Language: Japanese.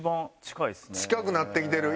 近くなってきてる。